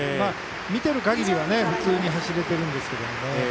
見てる限りは普通に走れてるんですけどね。